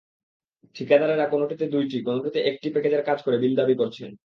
ঠিকাদারেরা কোনোটিতে দুইটি, কোনটিতে একটি প্যাকেজের কাজ করে বিল দাবি করছেন।